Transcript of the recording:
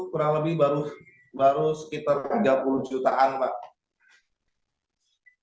kurang lebih baru sekitar tiga puluh jutaan pak